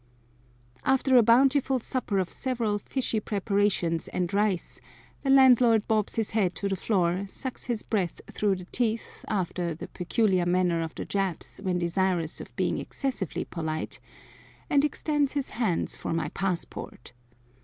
After a bountiful supper of several fishy preparations and rice, the landlord bobs his head to the floor, sucks his breath through the teeth after the peculiar manner of the Japs when desirous of being excessively polite, and extends his hands for my passport.